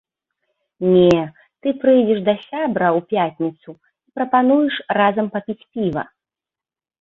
Не, ты прыйдзеш да сябра ў пятніцу і прапануеш разам папіць піва.